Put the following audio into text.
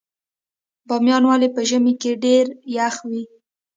بامیان ولې په ژمي کې ډیر یخ وي؟